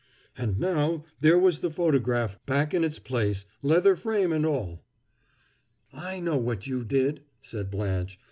And now there was the photograph back in its place, leather frame and all! "I know what you did," said Blanche.